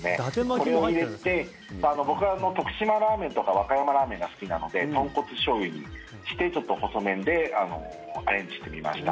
これを入れて僕は徳島ラーメンとか和歌山ラーメンが好きなので豚骨しょうゆにしてちょっと細麺でアレンジしてみました。